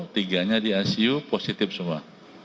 tiga nya di icu positif semua